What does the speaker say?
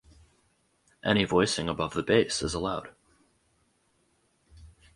Any voicing above the bass is allowed.